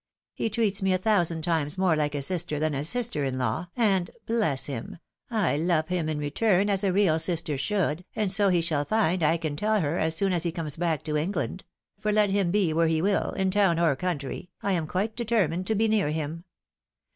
He treats me a thousand times more Hke a sister than a sister in law, and — bless him !— ^I love him in return as a real sister should, and so he shall find, I can tell her, as soon as he comes back to England ; for let him be where he will, in town or country, I am quite determined to be near him.